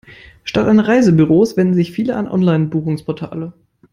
Statt an Reisebüros wenden sich viele an Online-Buchungsportale.